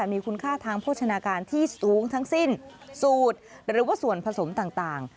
มีคุณค่าทางโภชนาการที่สูงทั้งสิ้นสูตรหรือว่าส่วนผสมต่าง